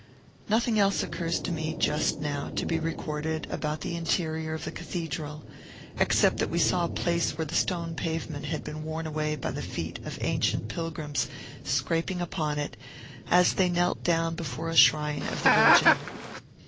Nothing else occurs to me, just now, to be recorded about the interior of the Cathedral, except that we saw a place where the stone pavement had been worn away by the feet of ancient pilgrims scraping upon it, as they knelt down before a shrine of the Virgin.